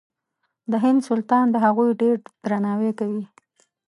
د هند سلطان د هغوی ډېر درناوی کوي.